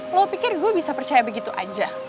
lo pikir gue bisa percaya begitu aja